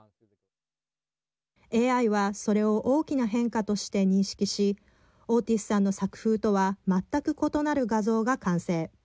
ＡＩはそれを大きな変化として認識しオーティスさんの作風とは全く異なる画像が完成。